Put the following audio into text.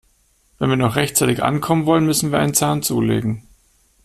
Wenn wir noch rechtzeitig ankommen wollen, müssen wir einen Zahn zulegen.